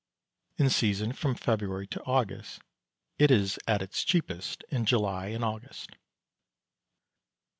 In season from February to August; it is at its cheapest in July and August.